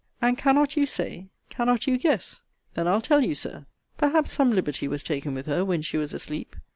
And cannot you say? Cannot you guess? Then I'll tell you, Sir. Perhaps some liberty was taken with her when she was asleep.